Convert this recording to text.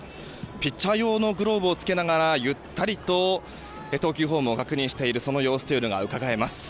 ピッチャー用のグローブをつけながら、ゆったりと投球フォームを確認している様子がうかがえます。